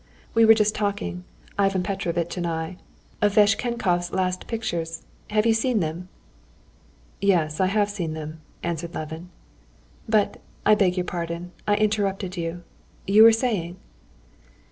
"We were just talking, Ivan Petrovitch and I, of Vashtchenkov's last pictures. Have you seen them?" "Yes, I have seen them," answered Levin. "But, I beg your pardon, I interrupted you ... you were saying?..."